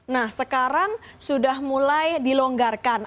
nah sekarang sudah mulai dilonggarkan